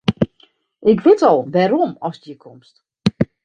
Ik wit al wêrom ast hjir komst.